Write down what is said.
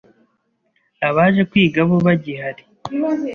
abaje kwiga bo bagihari